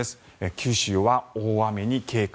九州は大雨に警戒。